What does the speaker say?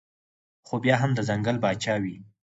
خو بيا هم د ځنګل باچا وي